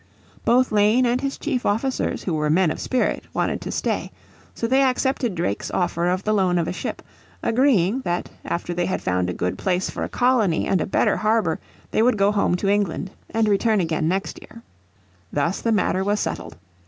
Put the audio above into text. Both Lane and his chief officers who were men of spirit wanted to stay. So they accepted Drake's offer of the loan of a ship, agreeing that after they had found a good place for a colony and a better harbour, they would go home to England and return again the next year. Thus the matter was settled.